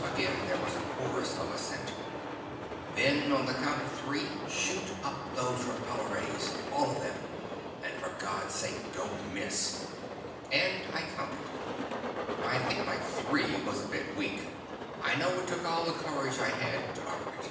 Again there was a chorus of assent. "Then on the count of three, shoot up those repellor rays all of them and for God's sake, don't miss." And I counted. I think my "three" was a bit weak. I know it took all the courage I had to utter it.